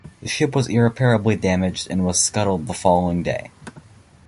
The ship was irreparably damaged and was scuttled the following day.